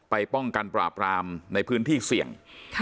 ป้องกันปราบรามในพื้นที่เสี่ยง